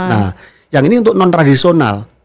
nah yang ini untuk non tradisional